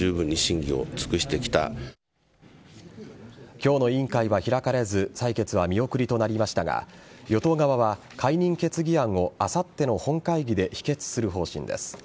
今日の委員会は開かれず採決は見送りとなりましたが与党側は、解任決議案をあさっての本会議で否決する方針です。